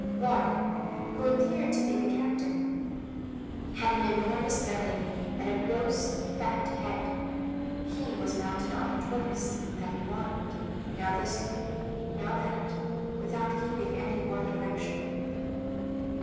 One, who appeared to be the captain, had an enormous belly and a gross fat head; he was mounted on a tortoise, that waddled, now this way, now that, without keeping any one direction.